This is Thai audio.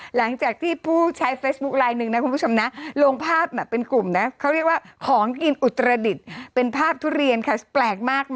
หลังจากที่ผู้ใช้เฟซบุ๊คไลน์หนึ่งนะคุณผู้ชมนะลงภาพแบบเป็นกลุ่มนะเขาเรียกว่าของกินอุตรดิษฐ์เป็นภาพทุเรียนค่ะแปลกมาก